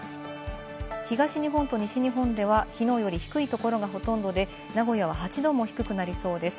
東日本と西日本ではきのうより低いところがほとんどで、名古屋は８度も低くなりそうです。